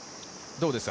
どうですか？